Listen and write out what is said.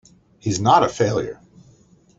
He's not a failure!